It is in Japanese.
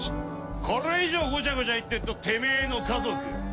これ以上ごちゃごちゃ言ってっとてめえの家族恋人